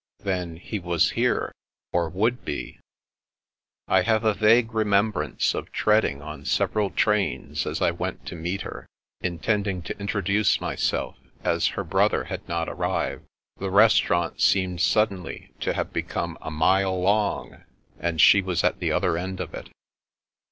Then, he was here, or would be ! I have a vague remembrance of treading on several trains as I went to meet her, intending to introduce myself, as her brother had not arrived. The restaurant seemed suddenly to have become a mile long, and she was at the other end of it.